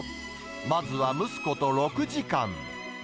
まずは蒸すこと６時間。